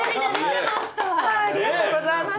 ありがとうございます。